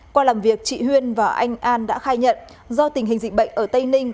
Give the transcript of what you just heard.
qua làm việc chị huyên và anh an đã khai nhận do tình hình dịch bệnh ở tây ninh